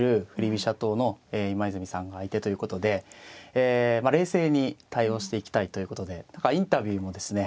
飛車党の今泉さんが相手ということでまあ冷静に対応していきたいということで何かインタビューもですね